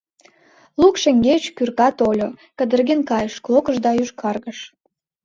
Лук шеҥгеч кӱрка тольо, кадырген кайыш, клоклыш да йошкаргыш.